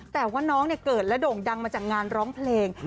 แต่ว่าน้องเกิดและโด่งดังมาจากงานร้องเพลง